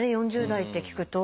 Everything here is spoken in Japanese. ４０代って聞くと。